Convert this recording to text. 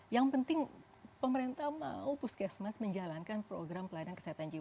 yang penting pemerintah mau puskesmas menjalankan program pelayanan kesehatan jiwa